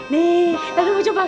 nih tante mau coba kak